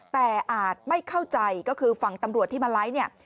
แต่อาจไม่เข้าใจก็คือฝั่งตำรวจที่มาไลฟ์เนี่ย